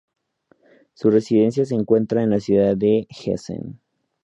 Su residencia se encuentra en la ciudad de Essen.